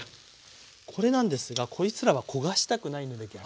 これなんですがこいつらは焦がしたくないので逆に。